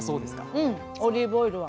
オリーブオイルは。